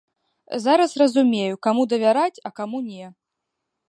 Зараз разумею, каму давяраць, а каму не.